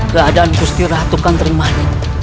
keadaan gusti ratukan tereman